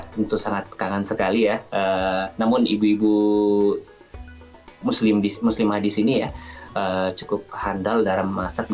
tentu sangat kangen sekali ya namun ibu ibu muslim muslimah di sini ya cukup handal dalam masak